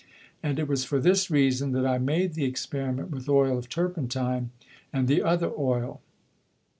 And it was for this Reason, that I made the Experiment with Oil of Turpentine and the other Oil.